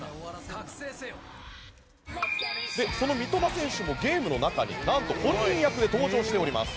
その三笘選手もゲームの中に何と本人役で登場しております。